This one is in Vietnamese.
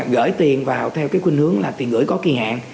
gửi tiền vào theo cái khuyên hướng là tiền gửi có kỳ hạn